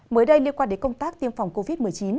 mới đây liên quan đến công tác tiêm phòng covid một mươi chín